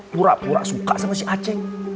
pura pura suka sama si aceh